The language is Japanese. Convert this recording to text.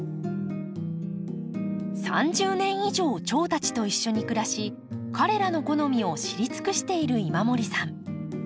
３０年以上チョウたちと一緒に暮らし彼らの好みを知り尽くしている今森さん。